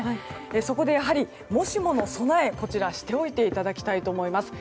そこでもしもの備えをしておいていただきたいと思います。